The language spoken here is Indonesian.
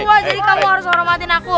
aku ketua jadi kamu harus hormatin aku